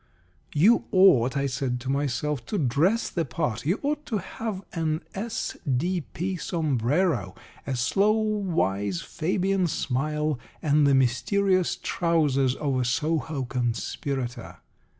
"You ought," I said to myself, "to dress the part. You ought to have an S.D.P. sombrero, a slow wise Fabian smile, and the mysterious trousers of a Soho conspirator."